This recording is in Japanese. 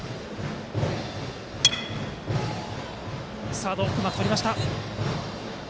サード、うまくとりました。